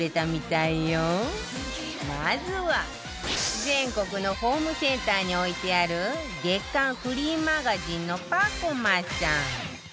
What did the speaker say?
まずは全国のホームセンターに置いてある月刊フリーマガジンの『Ｐａｃｏｍａ』さん